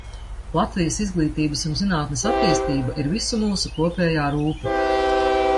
Latvijas izglītības un zinātnes attīstība ir visu mūsu kopējā rūpe.